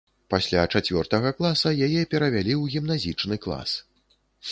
Пасля чацвёртага класа яе перавялі ў гімназічны клас.